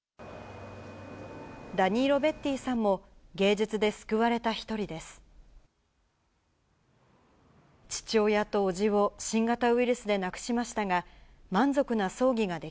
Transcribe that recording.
ダニーロ・ベッティさんも、芸術で救われた一人です。